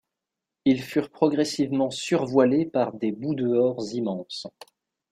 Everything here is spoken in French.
Ils furent progressivement sur-voilés par des bouts-dehors immenses.